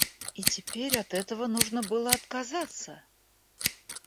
И теперь от этого нужно было отказаться!